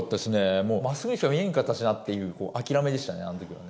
もうまっすぐにしか見えんかったしなって、諦めでしたね、あのときはね。